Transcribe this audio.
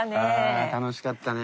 あ楽しかったね。